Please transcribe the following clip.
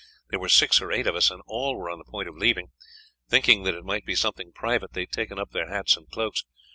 There were six or eight of us, and all were on the point of leaving. Thinking that it might be something private, they had taken up their hats and cloaks.